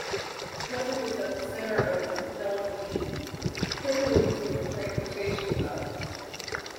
Because it is at the centre of the Peloponnese, Tripolis is a transportation hub.